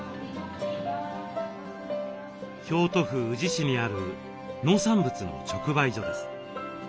京都府宇治市にある農産物の直売所です。